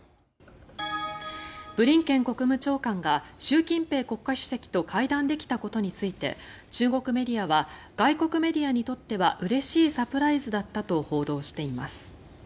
ブリンケン国務長官が習近平国家主席と会談できたことについて中国メディアは外国メディアにとってはうれしいサプライズだったと報道しています。